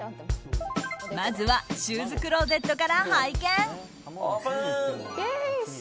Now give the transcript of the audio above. まずはシューズクローゼットから拝見。